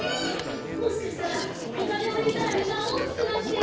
もしかしたらおかねをいれたらみがおおきくなって。